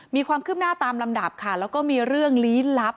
มีความคืบหน้าตามลำดับค่ะแล้วก็มีเรื่องลี้ลับ